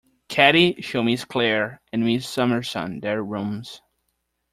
Caddy, show Miss Clare and Miss Summerson their rooms.